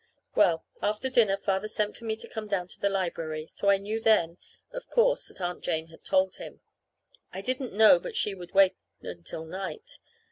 Well, after dinner Father sent for me to come down to the library. So I knew then, of course, that Aunt Jane had told him. I didn't know but she would wait until night.